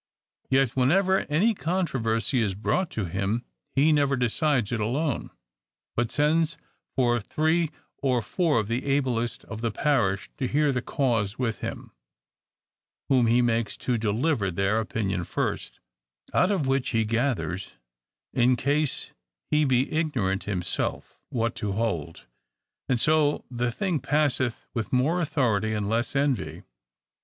Yet whenever any contro versy is brought to him, he never decides it alone, but sends for three or four of the ablest of the parish to hear the cause with him, whom he makes to deliver their opinion first ; out of which he gathers, in case he be ignorant himself, what to hold : and so the thing passeth with more authority and less envy.